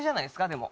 でも。